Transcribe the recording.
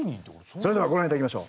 それではご覧頂きましょう。